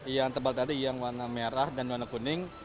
yang tebal tadi yang warna merah dan warna kuning